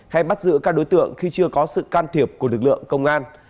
hay bắt giữ các đối tượng khi chưa có sự can thiệp của lực lượng công an